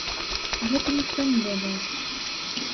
Гэта ніхто не ведае.